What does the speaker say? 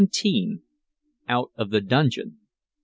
OUT OF THE DUNGEON.